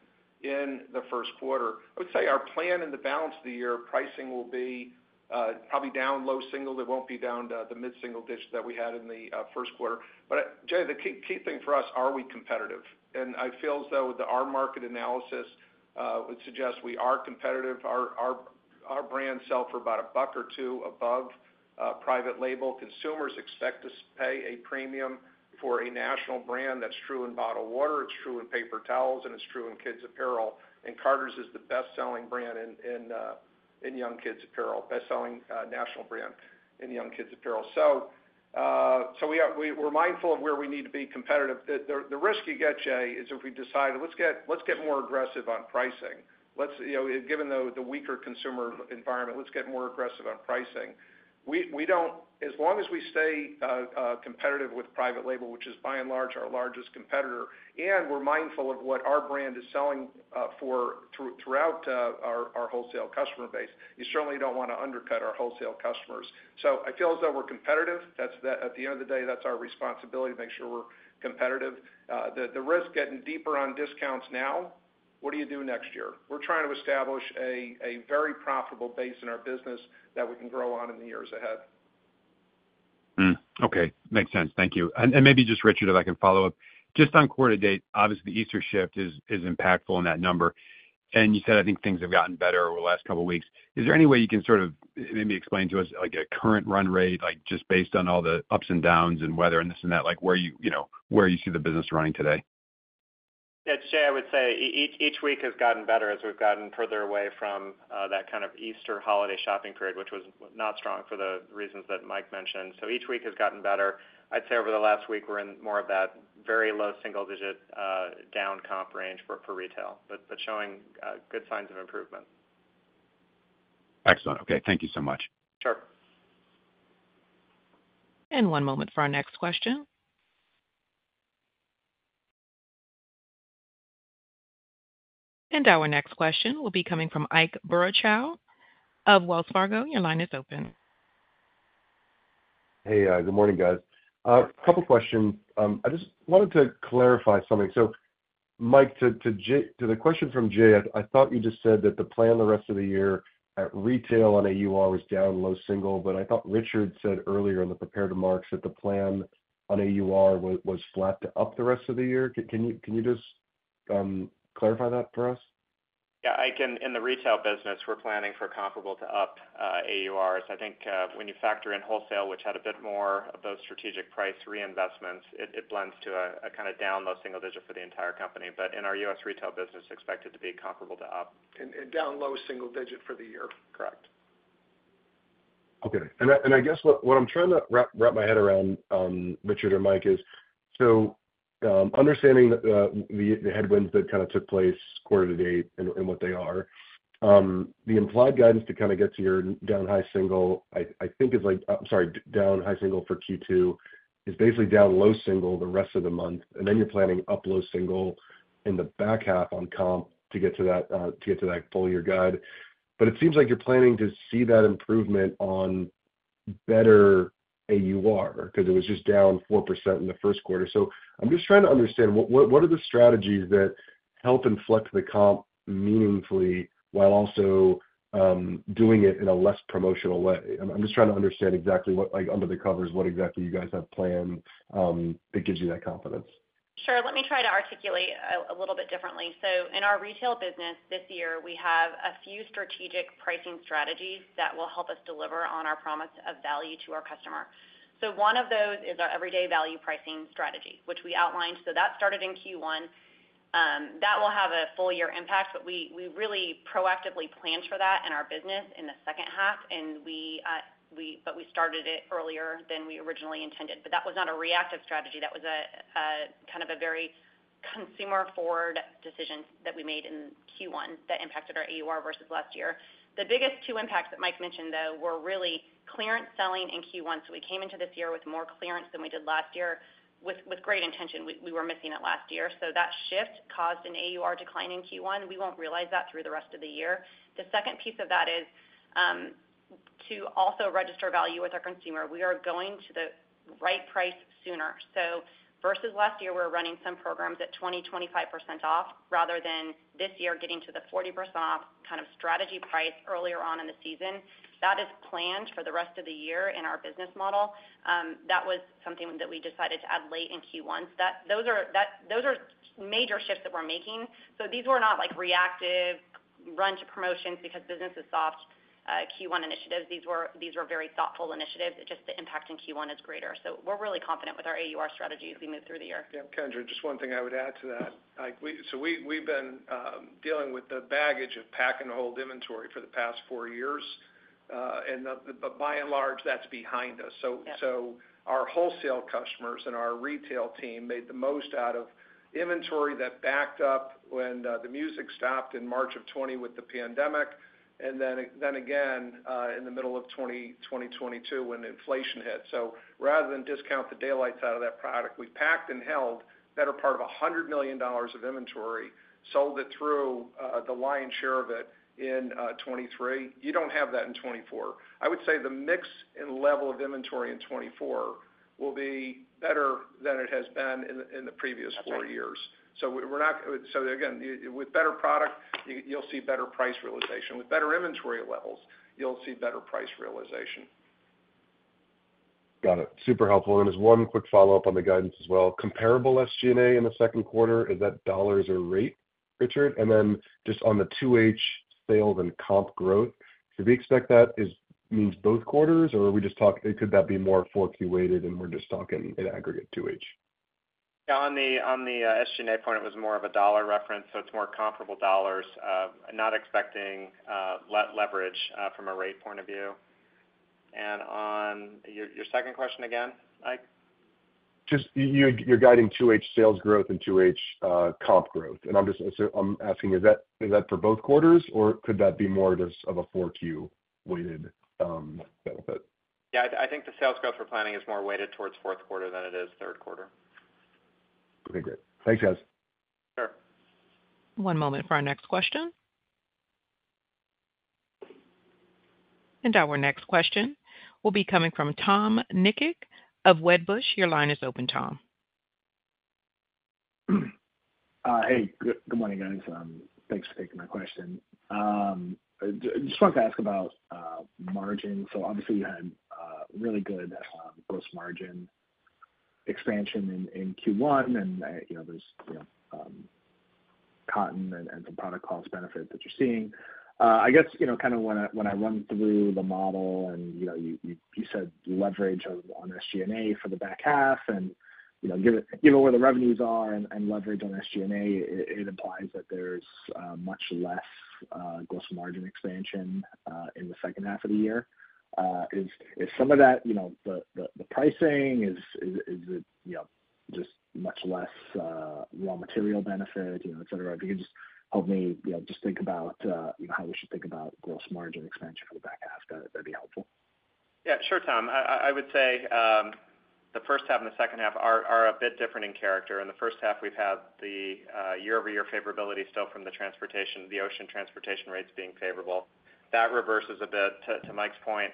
in the first quarter. I would say our plan in the balance of the year, pricing will be probably down low single. It won't be down to the mid-single digits that we had in the first quarter. But Jay, the key, key thing for us, are we competitive? And I feel as though with our market analysis would suggest we are competitive. Our brands sell for about $1 or $2 above private label. Consumers expect to pay a premium for a national brand that's true in bottled water, it's true in paper towels, and it's true in kids' apparel. Carter's is the best-selling brand in young kids' apparel, best-selling national brand in young kids' apparel. So we have we're mindful of where we need to be competitive. The risk you get, Jay, is if we decide, let's get more aggressive on pricing. Let's, you know, given the weaker consumer environment, let's get more aggressive on pricing. We don't. As long as we stay competitive with private label, which is by and large, our largest competitor, and we're mindful of what our brand is selling for throughout our wholesale customer base, you certainly don't want to undercut our wholesale customers. So I feel as though we're competitive. That's the, at the end of the day, that's our responsibility, to make sure we're competitive. The risk getting deeper on discounts now, what do you do next year? We're trying to establish a very profitable base in our business that we can grow on in the years ahead. Hmm, okay. Makes sense. Thank you. And maybe just Richard, if I can follow up. Just on quarter date, obviously, the Easter shift is impactful in that number. And you said, I think things have gotten better over the last couple of weeks. Is there any way you can sort of maybe explain to us, like, a current run rate, like, just based on all the ups and downs and weather and this and that, like, where you, you know, where you see the business running today? Yeah, Jay, I would say each week has gotten better as we've gotten further away from that kind of Easter holiday shopping period, which was not strong for the reasons that Mike mentioned. So each week has gotten better. I'd say over the last week, we're in more of that very low single digit down comps range for retail, but showing good signs of improvement. Excellent. Okay. Thank you so much. Sure. One moment for our next question. Our next question will be coming from Ike Boruchow of Wells Fargo. Your line is open. Hey, good morning, guys. A couple questions. I just wanted to clarify something. So, Mike, to the question from Jay, I thought you just said that the plan the rest of the year at retail on AUR was down low single, but I thought Richard said earlier in the prepared remarks that the plan on AUR was flat to up the rest of the year. Can you just clarify that for us? Yeah, Ike, in the retail business, we're planning for comparable to up AURs. I think when you factor in wholesale, which had a bit more of those strategic price reinvestments, it blends to a kind of down low single digit for the entire company. But in our U.S. retail business, expect it to be comparable to up. And down low single-digit for the year. Correct. Okay. And I guess what I'm trying to wrap my head around, Richard or Mike, is: so, understanding the headwinds that kind of took place quarter to date and what they are. The implied guidance to kind of get to your down high single, I think is like, I'm sorry, down high single for Q2, is basically down low single the rest of the month, and then you're planning up low single in the back half on comp to get to that, to get to that full year guide. But it seems like you're planning to see that improvement on better AUR, because it was just down 4% in the first quarter. I'm just trying to understand, what are the strategies that help inflect the comp meaningfully while also doing it in a less promotional way? I'm just trying to understand exactly what, like, under the covers, what exactly you guys have planned that gives you that confidence. Sure. Let me try to articulate a little bit differently. So in our retail business this year, we have a few strategic pricing strategies that will help us deliver on our promise of value to our customer. So one of those is our everyday value pricing strategy, which we outlined. So that started in Q1. That will have a full year impact, but we really proactively planned for that in our business in the second half. But we started it earlier than we originally intended. But that was not a reactive strategy. That was a kind of very consumer forward decision that we made in Q1 that impacted our AUR versus last year. The biggest two impacts that Mike mentioned, though, were really clearance selling in Q1. So we came into this year with more clearance than we did last year, with great intention. We were missing it last year, so that shift caused an AUR decline in Q1. We won't realize that through the rest of the year. The second piece of that is to also register value with our consumer. We are going to the right price sooner. So versus last year, we're running some programs at 20%-25% off, rather than this year, getting to the 40% off kind of strategy price earlier on in the season. That is planned for the rest of the year in our business model. That was something that we decided to add late in Q1. So those are major shifts that we're making. So these were not like reactive run to promotions because business is soft, Q1 initiatives. These were, these were very thoughtful initiatives. It's just the impact in Q1 is greater. So we're really confident with our AUR strategy as we move through the year. Yeah, Kendra, just one thing I would add to that. Like, so we've been dealing with the baggage of Pack and Hold inventory for the past four years, and, but by and large, that's behind us. Yep. So, so our wholesale customers and our retail team made the most out of inventory that backed up when the music stopped in March of 2020 with the pandemic, and then, then again, in the middle of 2022, when inflation hit. So rather than discount the daylights out of that product, we packed and held better part of $100 million of inventory, sold it through, the lion's share of it in 2023. You don't have that in 2024. I would say the mix and level of inventory in 2024 will be better than it has been in the previous four years. So again, with better product, you'll see better price realization. With better inventory levels, you'll see better price realization. Got it. Super helpful. And just one quick follow-up on the guidance as well. Comparable SG&A in the second quarter, is that dollars or rate, Richard? And then just on the 2H sales and comp growth, should we expect that means both quarters, or could that be more 4Q weighted, and we're just talking in aggregate 2H? Yeah, on the SG&A point, it was more of a dollar reference, so it's more comparable dollars. Not expecting leverage from a rate point of view. And on your second question again, Ike? Just you, you're guiding 2H sales growth and 2H comp growth, and I'm just, so I'm asking, is that, is that for both quarters, or could that be more just of a 4Q weighted benefit? Yeah, I think the sales growth we're planning is more weighted towards fourth quarter than it is third quarter. Okay, great. Thanks, guys. Sure. One moment for our next question. Our next question will be coming from Tom Nikic of Wedbush. Your line is open, Tom. Hey, good morning, guys. Thanks for taking my question. Just wanted to ask about margin. So obviously you had really good gross margin expansion in Q1, and you know, there's you know, cotton and some product cost benefits that you're seeing. I guess, you know, kind of when I run through the model and you know, you said leverage on SG&A for the back half and you know, given where the revenues are and leverage on SG&A, it implies that there's much less gross margin expansion in the second half of the year. Is some of that you know, the pricing, is it you know, just much less raw material benefit, you know, et cetera? If you could just help me, you know, just think about, you know, how we should think about gross margin expansion for the back half, that'd be helpful. Yeah, sure, Tom. I would say the first half and the second half are a bit different in character, and the first half we've had the year-over-year favorability still from the transportation, the ocean transportation rates being favorable. That reverses a bit. To Mike's point,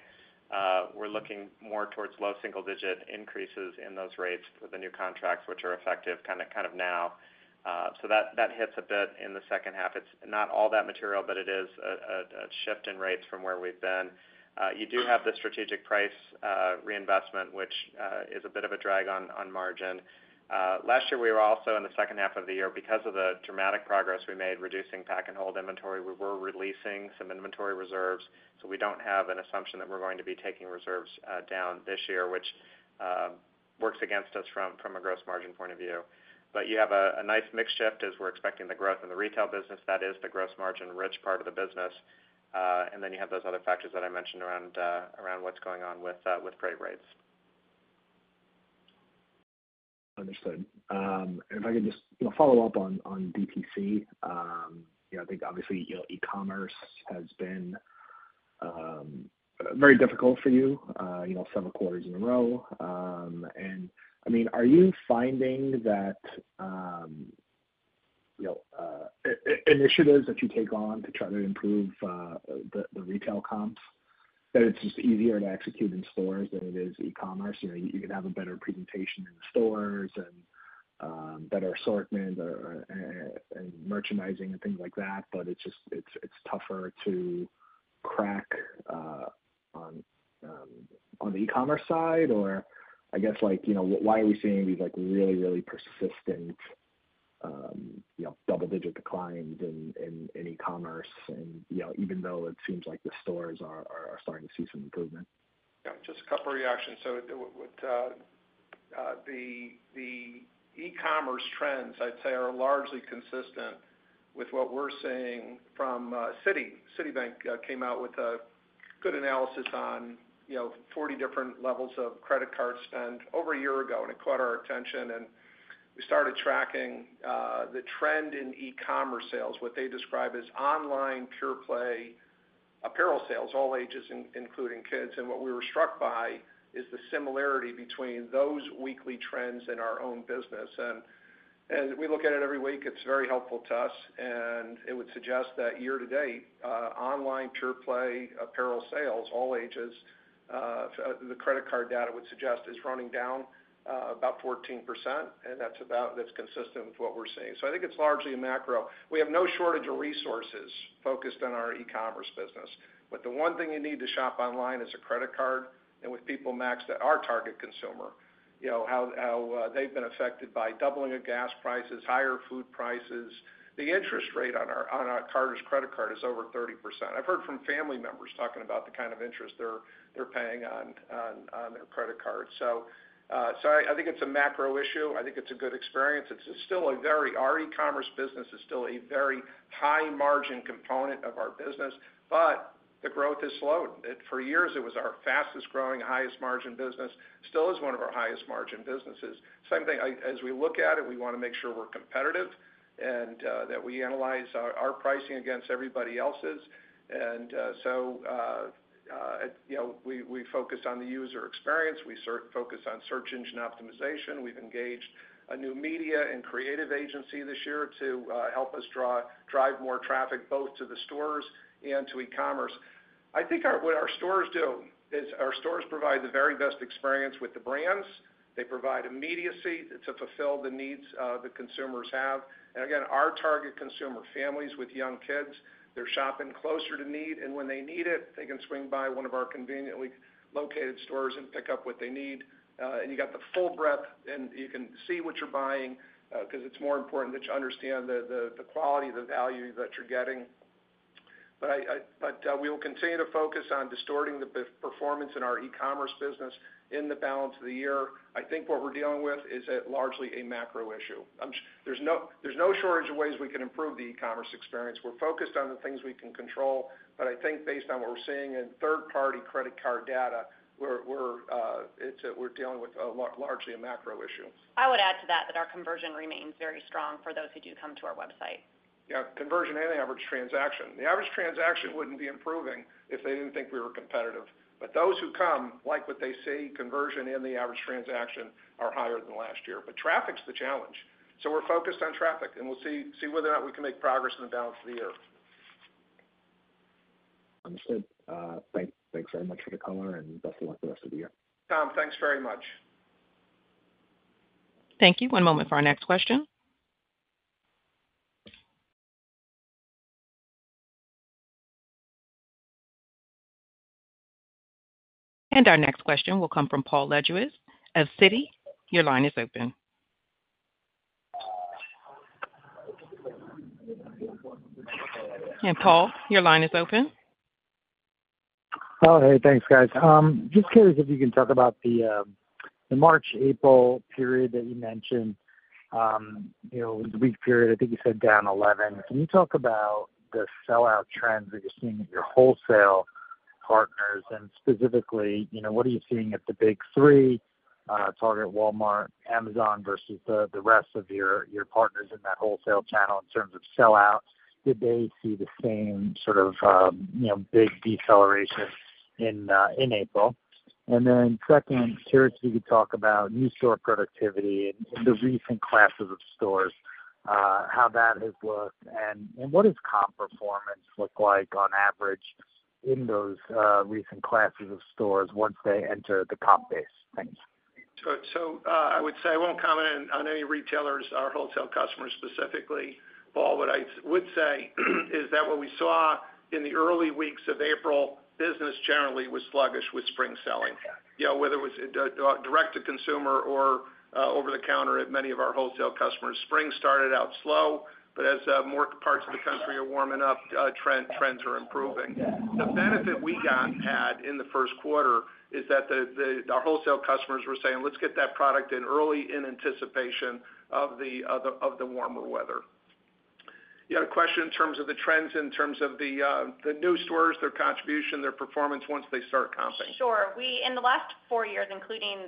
we're looking more towards low single-digit increases in those rates for the new contracts, which are effective kind of now. So that hits a bit in the second half. It's not all that material, but it is a shift in rates from where we've been. You do have the strategic price reinvestment, which is a bit of a drag on margin. Last year, we were also in the second half of the year. Because of the dramatic progress we made, reducing pack and hold inventory, we were releasing some inventory reserves, so we don't have an assumption that we're going to be taking reserves down this year, which works against us from a gross margin point of view. But you have a nice mix shift as we're expecting the growth in the retail business. That is the gross margin rich part of the business. And then you have those other factors that I mentioned around what's going on with freight rates. Understood. If I could just, you know, follow up on, on DTC. You know, I think obviously, you know, e-commerce has been very difficult for you, you know, several quarters in a row. And, I mean, are you finding that, you know, initiatives that you take on to try to improve the retail comps, that it's just easier to execute in stores than it is e-commerce? You know, you could have a better presentation in the stores and better assortment or, and merchandising and things like that, but it's just - it's, it's tougher to crack on, on the e-commerce side? Or I guess, like, you know, why are we seeing these, like, really, really persistent, you know, double-digit declines in e-commerce and, you know, even though it seems like the stores are starting to see some improvement? Yeah, just a couple of reactions. So with the e-commerce trends, I'd say are largely consistent with what we're seeing from Citi. Citibank came out with a good analysis on, you know, 40 different levels of credit card spend over a year ago, and it caught our attention, and we started tracking the trend in e-commerce sales, what they describe as online pure play apparel sales, all ages including kids. And what we were struck by is the similarity between those weekly trends and our own business. And we look at it every week, it's very helpful to us, and it would suggest that year to date, online pure play apparel sales, all ages, the credit card data would suggest is running down about 14%, and that's about, that's consistent with what we're seeing. So I think it's largely a macro. We have no shortage of resources focused on our e-commerce business, but the one thing you need to shop online is a credit card, and with people maxed at our target consumer, you know, how, how they've been affected by doubling of gas prices, higher food prices. The interest rate on our, on our Carter's credit card is over 30%. I've heard from family members talking about the kind of interest they're, they're paying on, on, on their credit card. So, so I, I think it's a macro issue. I think it's a good experience. It's still a very, our e-commerce business is still a very high margin component of our business, but the growth has slowed. It, for years, it was our fastest growing, highest margin business, still is one of our highest margin businesses. Same thing, as we look at it, we want to make sure we're competitive and that we analyze our pricing against everybody else's. And so, you know, we focus on the user experience, we focus on search engine optimization. We've engaged a new media and creative agency this year to help us drive more traffic, both to the stores and to e-commerce. I think what our stores do is our stores provide the very best experience with the brands. They provide immediacy to fulfill the needs the consumers have. And again, our target consumer, families with young kids, they're shopping closer to need, and when they need it, they can swing by one of our conveniently located stores and pick up what they need. You got the full breadth, and you can see what you're buying, because it's more important that you understand the quality, the value that you're getting. But we will continue to focus on driving better performance in our e-commerce business in the balance of the year. I think what we're dealing with is largely a macro issue. There's no shortage of ways we can improve the e-commerce experience. We're focused on the things we can control, but I think based on what we're seeing in third-party credit card data, it's largely a macro issue. I would add to that, that our conversion remains very strong for those who do come to our website. Yeah, conversion and the average transaction. The average transaction wouldn't be improving if they didn't think we were competitive. But those who come like what they see. Conversion and the average transaction are higher than last year. But traffic's the challenge, so we're focused on traffic, and we'll see whether or not we can make progress in the balance of the year. Understood. Thanks very much for the color, and best of luck the rest of the year. Tom, thanks very much. Thank you. One moment for our next question. Our next question will come from Paul Lejuez of Citi. Your line is open. Paul, your line is open. Oh, hey, thanks, guys. Just curious if you can talk about the March, April period that you mentioned. You know, the weak period, I think you said down 11. Can you talk about the sell-through trends that you're seeing at your wholesale partners, and specifically, you know, what are you seeing at the big three, Target, Walmart, Amazon, versus the rest of your partners in that wholesale channel in terms of sell-through? Did they see the same sort of, you know, big deceleration in April? And then second, curious if you could talk about new store productivity and the recent classes of stores, how that has looked, and what does comp performance look like on average in those recent classes of stores once they enter the comp base? Thanks. I would say I won't comment on any retailers, our wholesale customers specifically. Paul, what I would say is that what we saw in the early weeks of April, business generally was sluggish with spring selling. You know, whether it was direct to consumer or over the counter at many of our wholesale customers. Spring started out slow, but as more parts of the country are warming up, trends are improving. The benefit we got and had in the first quarter is that our wholesale customers were saying, "Let's get that product in early in anticipation of the warmer weather." You had a question in terms of the trends, in terms of the new stores, their contribution, their performance once they start comping? Sure. We in the last four years, including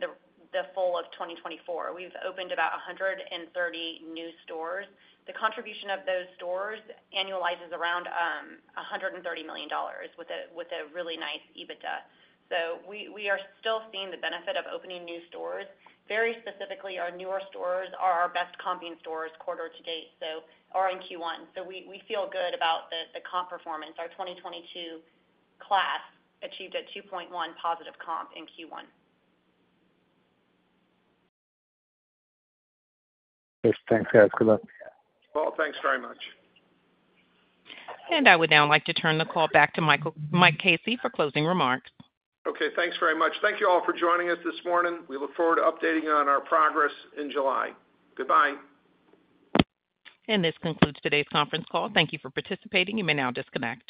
the full of 2024, we've opened about 130 new stores. The contribution of those stores annualizes around $130 million with a really nice EBITDA. So we are still seeing the benefit of opening new stores. Very specifically, our newer stores are our best comping stores quarter to date, so or in Q1. So we feel good about the comp performance. Our 2022 class achieved a 2.1 positive comp in Q1. Yes. Thanks, guys. Good luck. Paul, thanks very much. I would now like to turn the call back to Michael, Mike Casey for closing remarks. Okay, thanks very much. Thank you all for joining us this morning. We look forward to updating you on our progress in July. Goodbye. This concludes today's conference call. Thank you for participating. You may now disconnect.